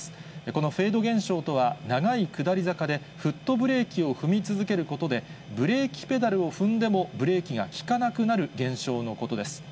このフェード現象とは、長い下り坂でフットブレーキを踏み続けることで、ブレーキペダルを踏んでもブレーキが利かなくなる現象のことです。